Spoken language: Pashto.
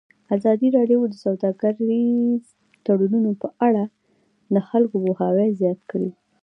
ازادي راډیو د سوداګریز تړونونه په اړه د خلکو پوهاوی زیات کړی.